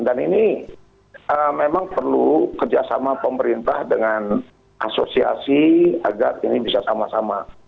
dan ini memang perlu kerjasama pemerintah dengan asosiasi agar ini bisa sama sama